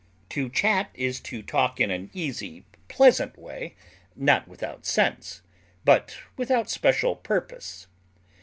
To chat is to talk in an easy, pleasant way, not without sense, but without special purpose.